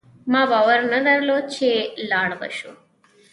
ما باور نه درلود چي لاړ به شو